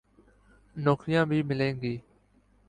نوکریاں بھی ملیں گی۔